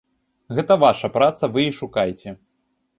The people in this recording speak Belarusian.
Гэта ваша праца, вы і шукайце!